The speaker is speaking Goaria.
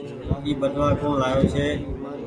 اي ٻٽوآ ڪوڻ لآيو ڇي۔